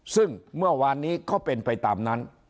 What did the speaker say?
ซึ่งเมื่อวานนี้ก็เป็นไปตามนั้น